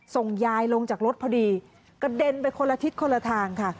ส่งยายลงจากรถพอดีกระเด็นไปคนละทิศคนละทางค่ะ